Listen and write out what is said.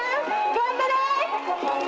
頑張れ！」。